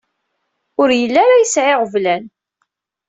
Ur yelli ara yesɛa iɣeblan.